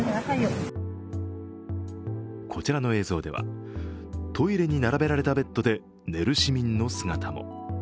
こちらの映像では、トイレに並べられたベッドで寝る市民の姿も。